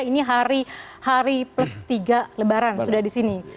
ini hari plus tiga lebaran sudah di sini